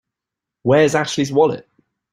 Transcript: Where's Ashley's wallet?